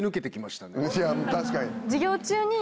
確かに！